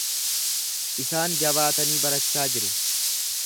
Isaan jabaatanii barachaa jiru.